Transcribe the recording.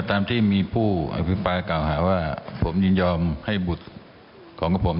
ตามที่มีผู้อภิปรายกล่าวหาว่าผมยินยอมให้บุตรของกับผม